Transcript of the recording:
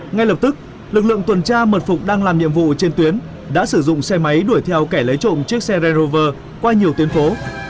ngay lập tức lực lượng tuần tra mật phục đang làm nhiệm vụ trên tuyến đã sử dụng xe máy đuổi theo kẻ lấy trộm chiếc xe rerover qua nhiều tuyến phố